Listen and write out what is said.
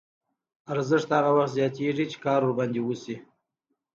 ارزښت هغه وخت زیاتېږي چې کار ورباندې وشي